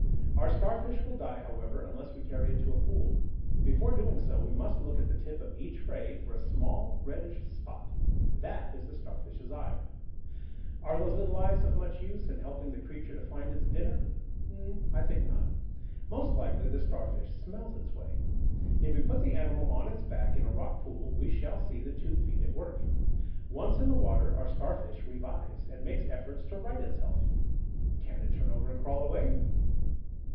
Our Starfish will die, however, unless we carry it to a pool. Before doing so, we must look at the tip of each ray for a small reddish spot. That is the Starfish's eye. Are those little eyes of much use in helping the creature to find its dinner? I think not. Most likely the Starfish smells its way. If we put the animal on its back in a rock pool we shall see the tube feet at work. Once in the water our Starfish revives, and makes efforts to right itself. Can it turn over and crawl away?